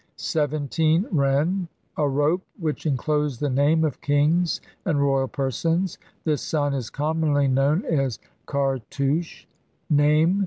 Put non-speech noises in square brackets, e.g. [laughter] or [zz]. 1 7. [zz] ren A rope which enclosed the name of kings and royal persons ; this sign is commonly known as cartouche. Name.